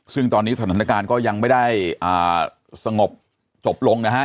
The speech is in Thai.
ซึ่งตอนนี้สถานการณ์ก็ยังไม่ได้สงบจบลงนะฮะ